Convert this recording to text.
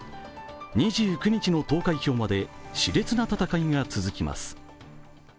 ２９日の投開票までしれつな戦いが続きます。